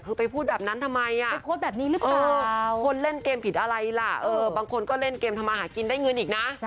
คือไปพูดแบบนั้นทำไมอะเออคนเล่นเกมผิดอะไรล่ะบางคนก็เล่นเกมทำอาหารกินได้เงินอีกนะ